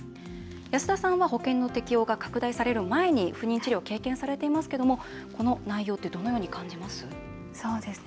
安田さんは保険の適用が拡大される前に不妊治療を経験されていますけどこの内容はいかがですか？